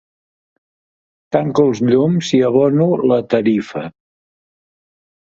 Tanco els llums i abono la tarifa.